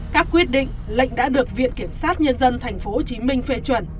các quyết định lệnh đã được viện kiểm sát nhân dân tp hcm phê chuẩn